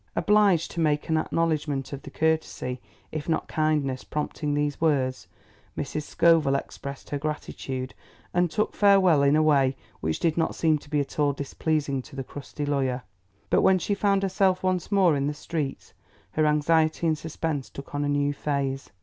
Obliged to make acknowledgment of the courtesy if not kindness prompting these words, Mrs. Scoville expressed her gratitude and took farewell in a way which did not seem to be at all displeasing to the crusty lawyer; but when she found herself once more in the streets, her anxiety and suspense took on a new phase.